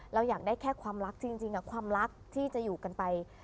เราอยากได้แค่ความรักจริงความรักที่จะอยู่กันไป